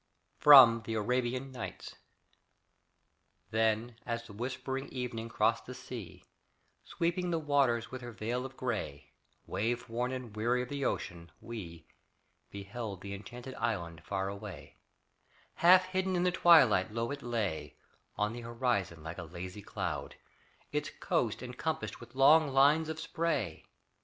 FROM THE ARABIAN NIGHTS Then, as the whispering evening crossed the sea, Sweeping the waters with her veil of grey, Wave worn and weary of the ocean, we Beheld the enchanted island far away Half hidden in the twilight low it lay On the horizon like a lazy cloud, Its coasts encompassed with long lines of spray.